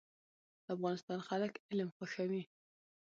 د افغانستان خلک علم خوښوي